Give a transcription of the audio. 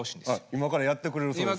今からやってくれるそうです